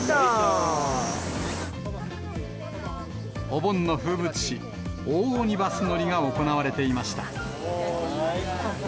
お盆の風物詩、オオオニバス乗りが行われていました。